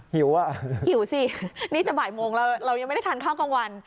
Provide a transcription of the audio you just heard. หิวอ่ะหิวสินี่จะบ่ายโมงแล้วเรายังไม่ได้ทานข้าวกลางวัน